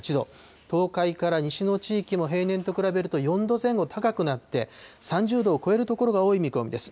東海から西の地域も平年と比べると４度前後高くなって、３０度を超える所が多い見込みです。